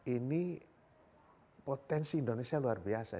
ini potensi indonesia luar biasa